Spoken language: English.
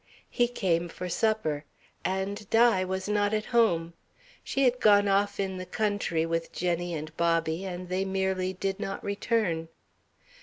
He came for supper. And Di was not at home. She had gone off in the country with Jenny and Bobby, and they merely did not return.